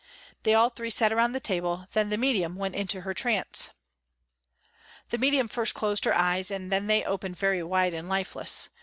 They all three sat around the table and then the medium went into her trance. The medium first closed her eyes and then they opened very wide and lifeless.